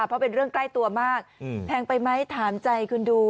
เพราะเป็นเรื่องใกล้ตัวมากแพงไปไหมถามใจคุณดู